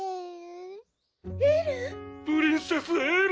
「プリンセス・エル！」